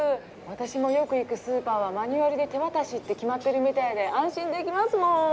私もよく行くスーパーはマニュアルで手渡しって決まってるみたいで安心できますもん。